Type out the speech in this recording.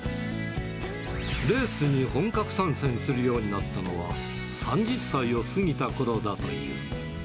レースに本格参戦するようになったのは３０歳を過ぎたころだという。